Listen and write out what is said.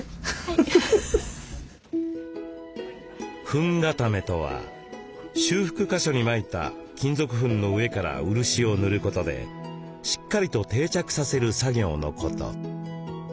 粉固めとは修復箇所にまいた金属粉の上から漆を塗ることでしっかりと定着させる作業のこと。